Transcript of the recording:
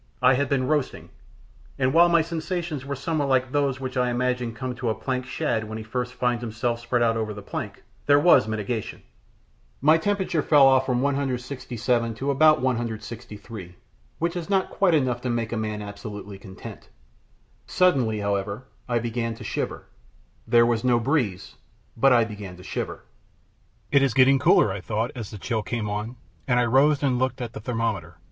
I had been roasting, and while my sensations were somewhat like those which I imagine come to a planked shad when he first finds himself spread out over the plank, there was a mitigation. My temperature fell off from 167 to about 163, which is not quite enough to make a man absolutely content. Suddenly, however, I began to shiver. There was no breeze, but I began to shiver. "It is getting cooler," I thought, as the chill came on, and I rose and looked at the thermometer.